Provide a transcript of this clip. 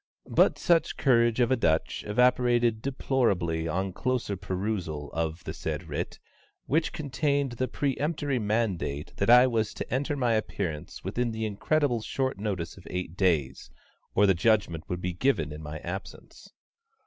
But such courage of a Dutch evaporated deplorably on closer perusal of the said writ, which contained the peremptory mandate that I was to enter my appearance within the incredibly short notice of eight days, or the judgment would be given in my absence!